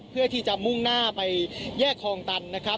เพื่อที่จะมุ่งหน้าไปแยกคลองตันนะครับ